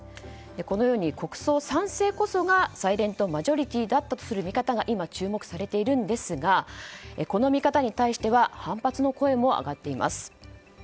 このように国葬賛成こそがサイレントマジョリティーだったとする見方が今注目されているんですがこの見方に対しては反発の声も上がっています。